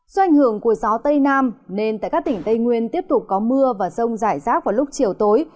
do ảnh hưởng của gió tây nam nên tại các tỉnh tây nguyên tiếp tục có mưa và rông rải rác vào lúc chiều tối